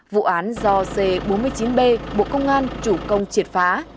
vụ án do c bốn mươi chín b bộ công an chủ công triệt phá